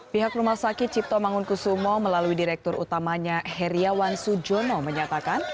pihak rumah sakit cipto mangunkusumo melalui direktur utamanya heriawan sujono menyatakan